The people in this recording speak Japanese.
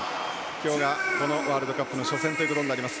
今日が、このワールドカップの初戦ということになります。